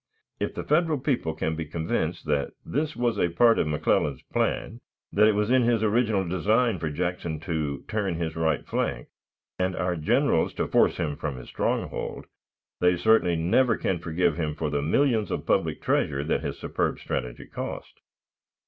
If the Federal people can be convinced that this was a part of McClellan's plan, that it was in his original design for Jackson to turn his right flank, and our generals to force him from his strongholds, they certainly never can forgive him for the millions of public treasure that his superb strategy cost."